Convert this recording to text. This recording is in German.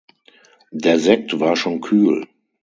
Der Sekt war schon kühl.